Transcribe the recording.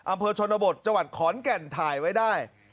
อำเภอชนบทจังหวัดขอนแก่นถ่ายไว้ได้